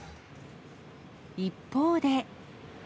一方で。